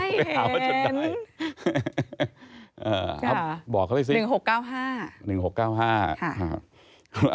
นี่ไงเห็นบอกเขาไปซิหนึ่งหกเก้าห้าหนึ่งหกเก้าห้าค่ะ